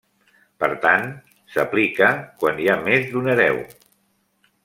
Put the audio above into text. Per tant, s'aplica quan hi ha més d'un hereu.